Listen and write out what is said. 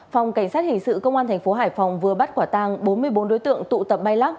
phòng cảnh sát hình sự công an thành phố hải phòng vừa bắt quả tang bốn mươi bốn đối tượng tụ tập bay lắc